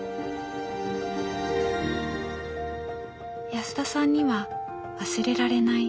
安田さんには忘れられない